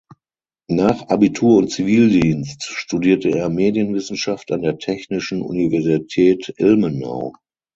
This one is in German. Nach Abitur und Zivildienst studierte er Medienwissenschaft an der Technischen Universität Ilmenau.